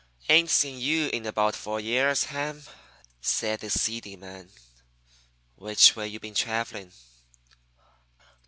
"Ain't seen you in about four years, Ham," said the seedy man. "Which way you been travelling?"